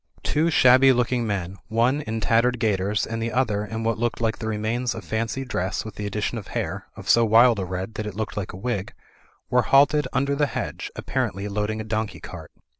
Two shabby looking men, one in tattered gaiters and the other in what looked like the remains of fancy dress with the addition of hair, of so wild a red that it looked like a wig, were halted under the hedge, appar ently loading a donkey cart.